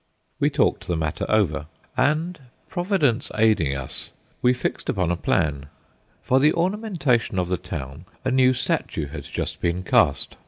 We talked the matter over, and, Providence aiding us, we fixed upon a plan. For the ornamentation of the town a new statue had just been cast.